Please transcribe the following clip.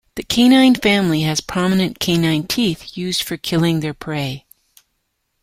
The canine family has prominent canine teeth, used for killing their prey.